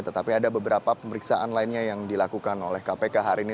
tetapi ada beberapa pemeriksaan lainnya yang dilakukan oleh kpk hari ini